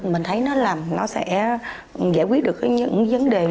mình thấy nó làm nó sẽ giải quyết được những vấn đề